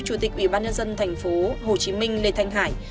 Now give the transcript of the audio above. chủ tịch ủy ban nhân dân tp hồ chí minh lê thanh hải